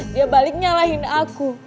dia balik nyalahin aku